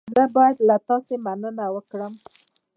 زه باید له تاسې مننه وکړم.